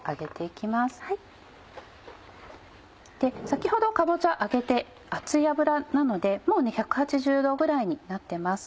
先ほどかぼちゃ揚げて熱い油なのでもう１８０度ぐらいになってます。